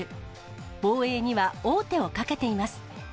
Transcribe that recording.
防衛には王手をかけています。